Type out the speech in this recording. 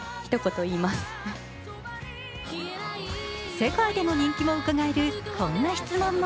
世界での人気もうかがえるこんな質問も。